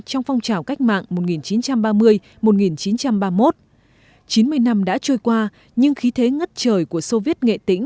trong phong trào cách mạng một nghìn chín trăm ba mươi một nghìn chín trăm ba mươi một chín mươi năm đã trôi qua nhưng khí thế ngất trời của soviet nghệ tĩnh